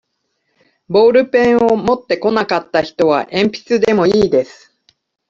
ボールペンを持ってこなかった人は、えんぴつでもいいです。